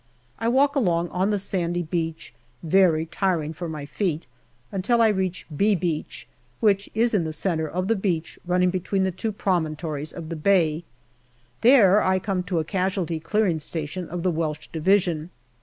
I walk along on the sandy beach, very tiring for my feet, until I reach " B " Beach, which is in the centre of the beach running between the two promontories of the bay ; there I come to a casualty clearing station of the Welsh Division.